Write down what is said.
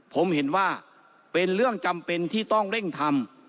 ผมเห็นว่าเป็นเรื่องจำเป็นที่ต้องเร่งทำ